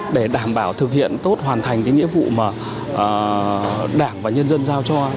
để đảm bảo thực hiện tốt hoàn thành cái nghĩa vụ mà đảng và nhân dân giao cho